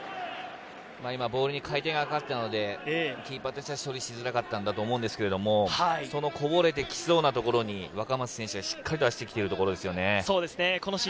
今、ボールに回転がかかっていたのでキーパーとしては処理しづらかったと思うんですけれど、そのこぼれてきそうなところに、若松選手がしっかり出してきてるところですよね。